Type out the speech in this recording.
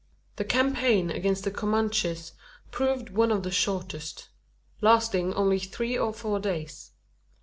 The campaign against the Comanches proved one of the shortest lasting only three or four days.